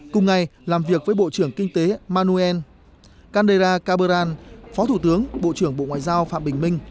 cùng ngày làm việc với bộ trưởng kinh tế manuel canera caberran phó thủ tướng bộ trưởng bộ ngoại giao phạm bình minh